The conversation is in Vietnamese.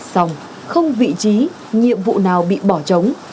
xong không vị trí nhiệm vụ nào bị bỏ trống